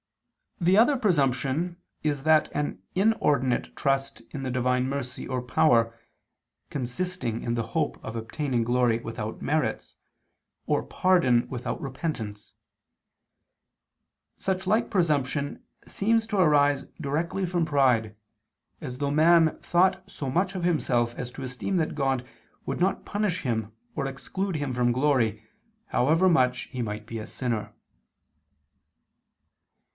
The other presumption is an inordinate trust in the Divine mercy or power, consisting in the hope of obtaining glory without merits, or pardon without repentance. Such like presumption seems to arise directly from pride, as though man thought so much of himself as to esteem that God would not punish him or exclude him from glory, however much he might be a sinner.